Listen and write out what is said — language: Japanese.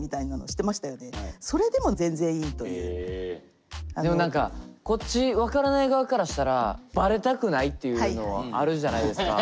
今倉木さん最後にでも何かこっち分からない側からしたらバレたくないっていうのあるじゃないですか。